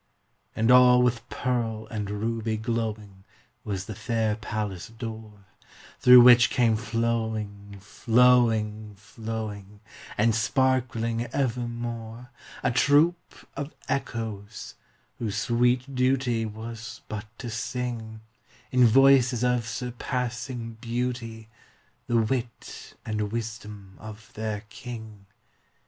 And all with pearl and ruby glowing Was the fair palace door, Through which came flowing, flowing, flowing, And sparkling evermore, A troop of Echoes, whose sweet duty Was but to sing, In voices of surpassing beauty, The wit and wisdom of their king.